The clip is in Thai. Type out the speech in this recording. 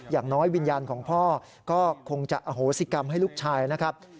อย่างน้อยวิญญาณของพ่อก็คงจะอโหสิกรรมให้ลูกชายนะครับ